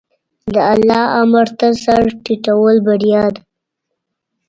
د الله امر ته سر ټیټول بریا ده.